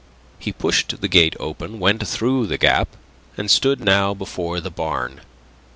He pushed the gate open, went through the gap, and stood now before the barn.